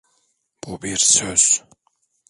Bu bir söz.